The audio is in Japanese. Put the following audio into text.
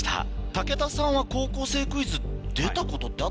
武田さんは『高校生クイズ』出たことってあったんですか？